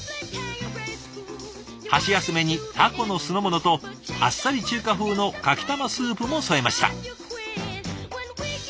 箸休めにタコの酢の物とあっさり中華風のかきたまスープも添えました。